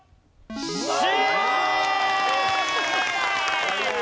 Ｃ！